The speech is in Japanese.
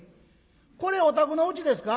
これお宅のうちですか？」。